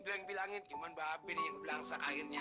blank bilangin cuma babi yang belangsang akhirnya